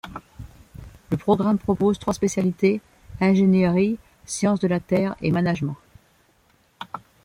Le programme propose trois spécialités: ingénierie, sciences de la Terre et management.